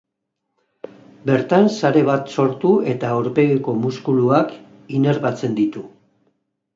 Bertan, sare bat sortu eta aurpegiko muskuluak inerbatzen ditu.